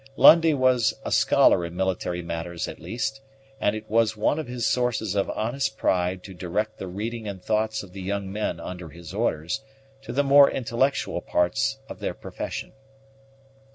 Lundie was a scholar in military matters at least, and it was one of his sources of honest pride to direct the reading and thoughts of the young men under his orders to the more intellectual parts of their profession.